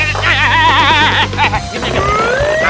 diam diam diam